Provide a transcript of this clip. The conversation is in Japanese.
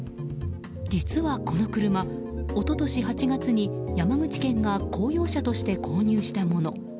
実は、この車一昨年８月に山口県が公用車として購入したもの。